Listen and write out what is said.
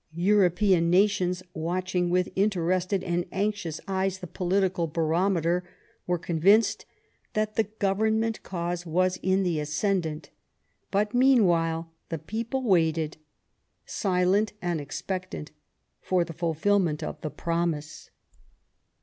European nations, watching with interested and anxious eyes the political barometer, were convinced that the Government cause was in the ascendant. But meanwhile the people waited, silent and expectant, for the fulfilment of the promise.